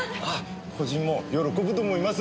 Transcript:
故人も喜ぶと思います。